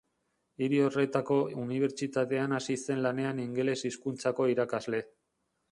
Hiri horretako unibertsitatean hasi zen lanean ingeles hizkuntzako irakasle.